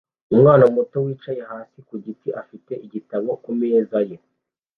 Umwana muto wicaye hasi ku giti afite igitabo kumeza ye